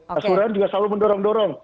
mas burhan juga selalu mendorong dorong